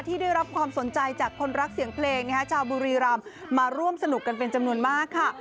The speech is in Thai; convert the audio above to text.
ได้รับความสนใจจากคนรักเสียงเพลงชาวบุรีรำมาร่วมสนุกกันเป็นจำนวนมากค่ะ